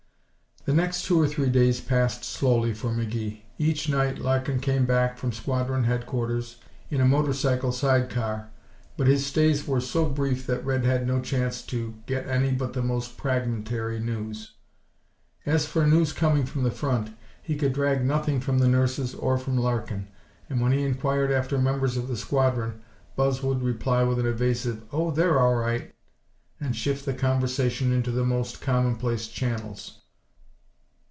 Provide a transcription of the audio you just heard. The next two or three days passed slowly for McGee. Each night Larkin came back from squadron headquarters in a motor cycle side car, but his stays were so brief that Red had no chance to get any but the most fragmentary news. As for news from the front, he could drag nothing from the nurses or from Larkin, and when he inquired after members of the squadron Buzz would reply with an evasive, "Oh, they're all right," and shift the conversation into the most commonplace channels.